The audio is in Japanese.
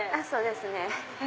そうですね。